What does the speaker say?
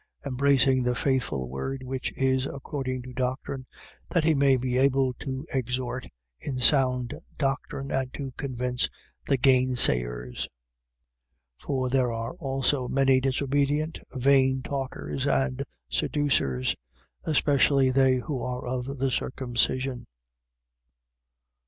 Embracing that faithful word which is according to doctrine, that he may be able to exhort in sound doctrine and to convince the gainsayers. 1:10. For there are also many disobedient, vain talkers and seducers: especially they who are of the circumcision.